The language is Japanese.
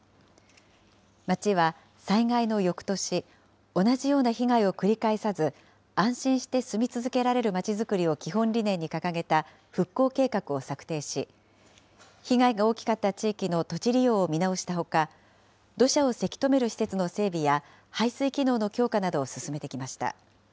町は災害のよくとし、同じような被害を繰り返さず、安心して住み続けられるまちづくりを基本理念に掲げた復興計画を策定し、被害が大きかった地域の土地利用を見直したほか、土砂をせき止める施設の整備や排水機能の強化などを進めてきました。